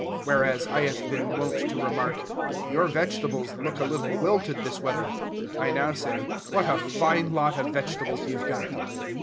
Whereas I have been wont to remark, "Your vegetables look a little wilted this weather," I now say, "What a fine lot of vegetables you've got!"